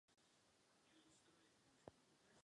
Mezi nimi se mnohokrát odráží paprsek světla.